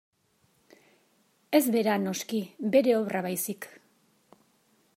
Ez bera, noski, bere obra baizik.